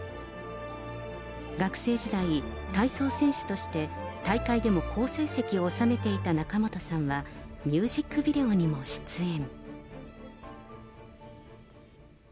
学生時代、体操選手として大会でも好成績を収めていた仲本さんは、ミュージックビデオにも出演。